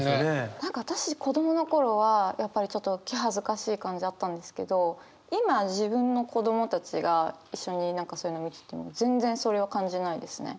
何か私子供の頃はやっぱりちょっと気恥ずかしい感じあったんですけど今自分の子供たちが一緒に何かそういうの見てても全然それは感じないですね。